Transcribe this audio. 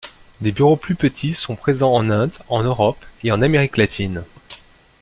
Des bureaux plus petits sont présents en Inde, en Europe et en Amérique latine.